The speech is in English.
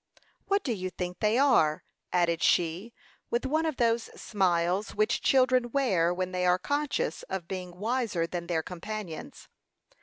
"What do you think they are?" added she, with one of those smiles which children wear when they are conscious of being wiser than their companions.